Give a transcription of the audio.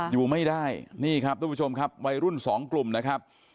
อยู่ไม่ได้นี่ครับทุกผู้ชมครับวัยรุ่นสองกลุ่มนะครับ